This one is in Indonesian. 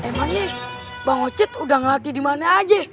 emangnya bang ocit udah ngelatih di mana aja